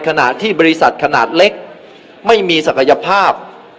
ขณะที่บริษัทขนาดเล็กไม่มีศักยภาพ